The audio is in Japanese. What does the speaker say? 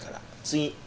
次。